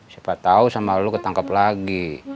siapa tahu sama lu ketangkep lagi